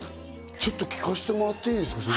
ちょっと聴かせてもらっていいですか？